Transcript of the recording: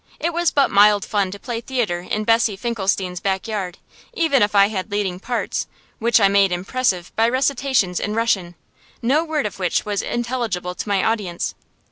It was but mild fun to play theatre in Bessie Finklestein's back yard, even if I had leading parts, which I made impressive by recitations in Russian, no word of which was intelligible to my audience.